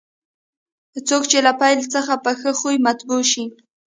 څوک چې له پیل څخه په ښه خوی مطبوع شي.